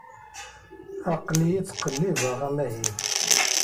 Aql-iyi ttqellibeɣ amahil.